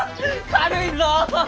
軽いぞ！